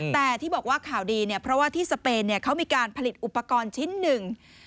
แต่ที่บอกว่าข่าวดีเนี่ยเพราะว่าที่สเปนเขามีการผลิตอุปกรณ์ชิ้นหนึ่ง